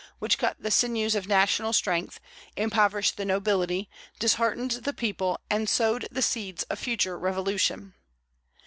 which cut the sinews of national strength, impoverished the nobility, disheartened the people, and sowed the seeds of future revolution.